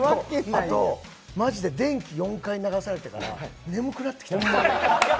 あと、マジで電気４回流されてから眠くなってきた。